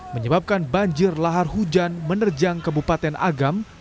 menyebabkan banjir lahar hujan menerjang kebupaten agam